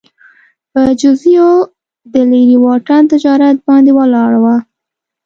په جزیې او د لېرې واټن تجارت باندې ولاړه وه